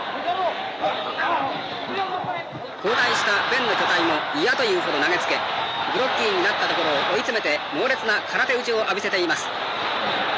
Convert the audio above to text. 交代したベンの巨体も嫌というほど投げつけグロッキーになったところを追い詰めて猛烈な空手打ちを浴びせています。